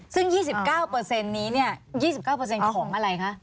ซึ่ง๒๙นี้๒๙ของอะไรคะ